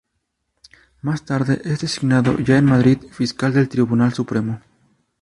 Más tarde es designado, ya en Madrid, Fiscal del Tribunal Supremo.